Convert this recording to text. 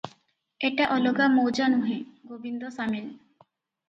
ଏଟା ଅଲଗା ମୌଜା ନୁହେଁ, ଗୋବିନ୍ଦ ସାମିଲ ।